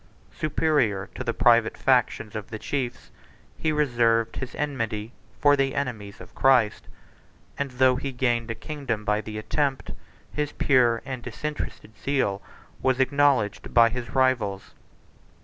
Superior to the private factions of the chiefs, he reserved his enmity for the enemies of Christ; and though he gained a kingdom by the attempt, his pure and disinterested zeal was acknowledged by his rivals.